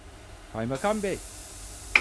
Kaymakam bey…